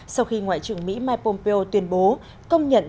sau khi ngoại trưởng mỹ mike pompeo tuyên bố công nhận